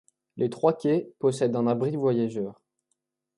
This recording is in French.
Les trois quais possèdent un abri voyageurs.